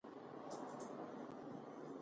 زه تیل اچوم